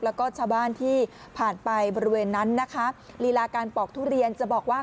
แล้วก็ชาวบ้านที่ผ่านไปบริเวณนั้นนะคะลีลาการปอกทุเรียนจะบอกว่า